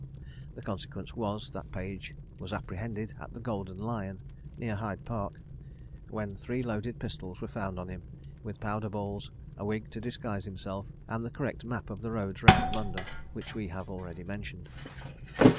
The consequence was, that Page was apprehended at the Golden Lion, near Hyde Park, when three loaded pistols were found on him, with powder, balls, a wig to disguise himself, and the correct map of the roads round London which we have already mentioned.